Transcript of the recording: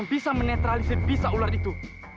bisa menetralisi bisa ular itu